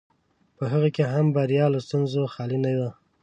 په هغه کې هم بریا له ستونزو خالي نه ده.